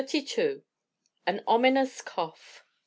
AN OMINOUS COUGH.